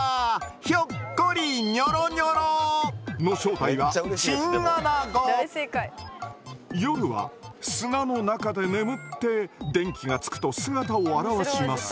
「ひょっこりにょろにょろ」の正体は夜は砂の中で眠って電気がつくと姿を現します。